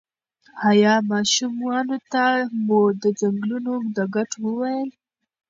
ایا ماشومانو ته مو د ځنګلونو د ګټو وویل؟